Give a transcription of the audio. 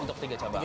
untuk tiga cabang